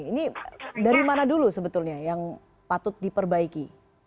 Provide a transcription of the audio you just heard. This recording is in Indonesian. ini dari mana dulu sebetulnya yang patut diperbaiki